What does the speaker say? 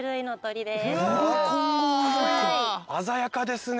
鮮やかですね。